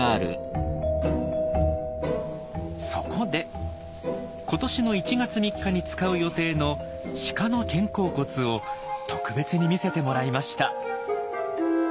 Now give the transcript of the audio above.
そこで今年の１月３日に使う予定の鹿の肩甲骨を特別に見せてもらいました。